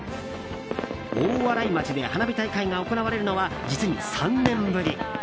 大洗町で花火大会が行われるのは実に３年ぶり。